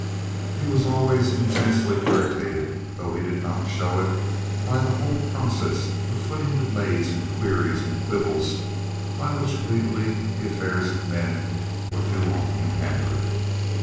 He was always intensely irritated, though he did not show it, by the whole process of footing delays and queries and quibbles, by which legally the affairs of men were too often hampered.